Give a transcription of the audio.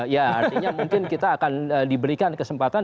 ya artinya mungkin kita akan diberikan kesempatan